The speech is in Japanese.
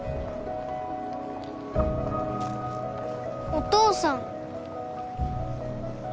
お父さん。